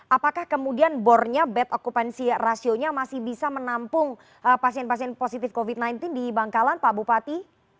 apakah kemudian bornya bed occupancy ratio nya masih bisa menampung pasien pasien positif covid sembilan belas di bangkalan pak bupati